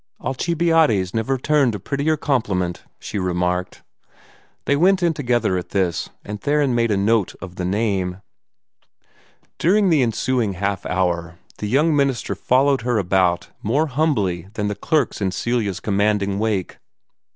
"Alcibiades never turned a prettier compliment," she remarked. They went in together at this, and Theron made a note of the name. During the ensuing half hour, the young minister followed about even more humbly than the clerks in Celia's commanding wake.